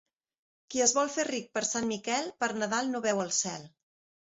Qui es vol fer ric per Sant Miquel, per Nadal no veu el cel.